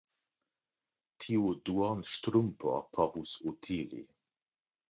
Tiu duonŝtrumpo povus utili.